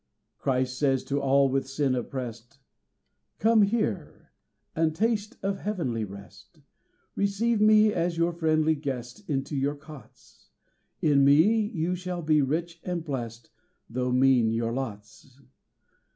Christ says to all with sin oppressed, "Come here, and taste of heavenly rest, Receive Me as your friendly guest Into your cots; In Me you shall be rich and blest, Though mean your lots.